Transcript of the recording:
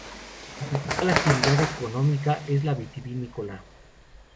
La principal actividad económica es la vitivinícola.